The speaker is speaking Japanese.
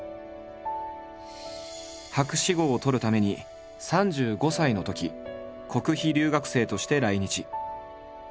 博士号を取るために３５歳のとき国費留学生として来日。